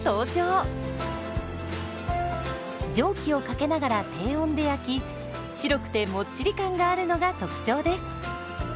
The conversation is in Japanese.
蒸気をかけながら低温で焼き白くてもっちり感があるのが特徴です。